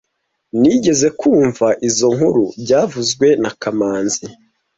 Nigeze kumva izoi nkuru byavuzwe na kamanzi